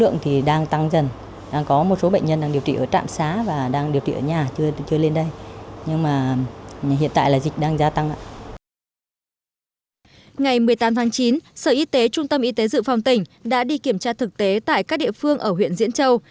ngày một mươi tám tháng chín sở y tế trung tâm y tế dự phòng tỉnh đã đi kiểm tra thực tế tại các địa phương ở huyện diễn châu